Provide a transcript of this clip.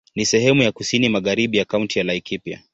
Ni sehemu ya kusini magharibi ya Kaunti ya Laikipia.